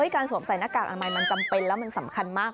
การสวมใส่นักกากอาณมัยจำเป็นแล้วมันสำคัญมาก